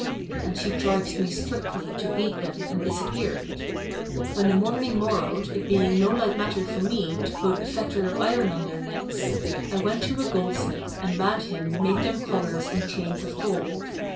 And she charged me strictly to beat them and disappeared. When the morning morrowed it being no light matter for me to put fetters of iron on their necks, I went to a goldsmith and bade him make them collars and chains of gold.